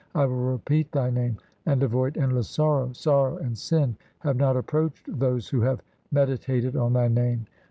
I will repeat Thy name, And avoid endless sorrow. Sorrow and sin have not approached those Who have meditated on Thy name.